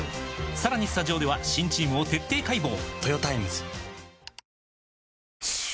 さらにスタジオでは新チームを徹底解剖！